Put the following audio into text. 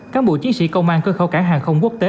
cán bộ chiến sĩ công an cơ khẩu cảng hàng không quốc tế